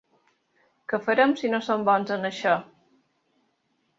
Que farem si no som bons en això?